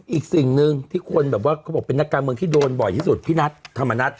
อีกสิ่งหนึ่งที่คนแบบว่าเขาบอกเป็นนักการเมืองที่โดนบ่อยที่สุดพี่นัทธรรมนัฐ